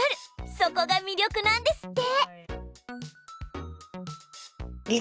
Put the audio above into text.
そこがみりょくなんですって！